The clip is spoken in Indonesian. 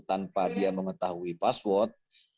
tanpa dia mengetahui password